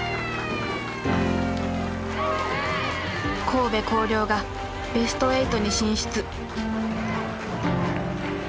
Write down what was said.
神戸弘陵がベスト８に進出。